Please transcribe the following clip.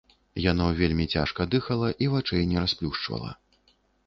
Яно вельмі цяжка дыхала і вачэй не расплюшчвала.